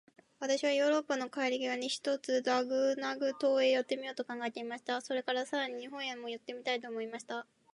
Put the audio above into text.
私はヨーロッパへの帰り途に、ひとつラグナグ島へ寄ってみようと考えていました。それから、さらに日本へも寄ってみたいと思いました。